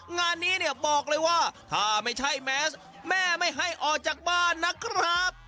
งานนี้เนี่ยบอกเลยว่าถ้าไม่ใช่แมสแม่ไม่ให้ออกจากบ้านนะครับ